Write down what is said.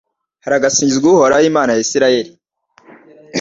Haragasingizwa Uhoraho Imana ya Israheli